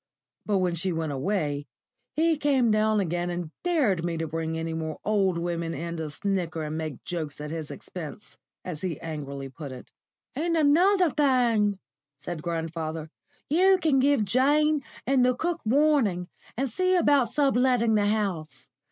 But when she went away, he came down again and dared me to bring any more old women in to snigger and make jokes at his expense, as he angrily put it. "And another thing," said grandfather, "you can give Jane and the cook warning, and see about sub letting the house.